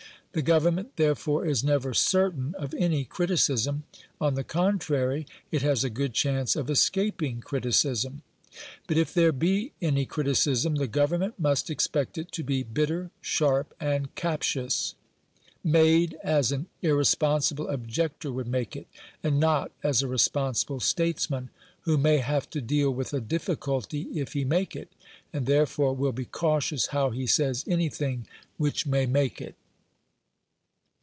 The Government, therefore, is never certain of any criticism; on the contrary, it has a good chance of escaping criticism; but if there be any criticism the Government must expect it to be bitter, sharp, and captious made as an irresponsible objector would make it, and not as a responsible statesman, who may have to deal with a difficulty if he make it, and therefore will be cautious how he says anything which may make it.